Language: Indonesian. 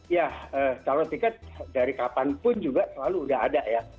ya calon tiket dari kapanpun juga selalu sudah ada ya